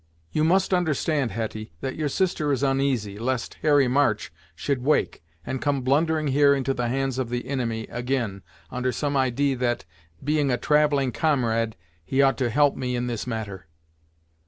You must understand, Hetty, that your sister is oneasy lest Harry March should wake, and come blundering here into the hands of the inimy ag'in, under some idee that, being a travelling comrade, he ought to help me in this matter!